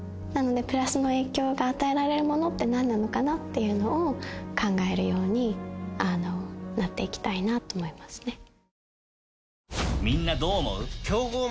なのでプラスの影響が与えられるものって何なのかなっていうのを考えるようになっていきたいなと思いますね。